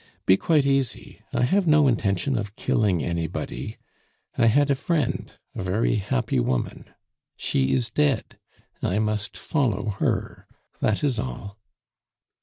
"Be quite easy, I have no intention of killing anybody. I had a friend a very happy woman; she is dead, I must follow her that is all."